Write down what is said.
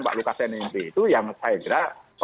pak lukas nmb itu yang saya kira